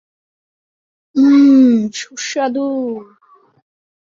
উম, সুস্বাদু।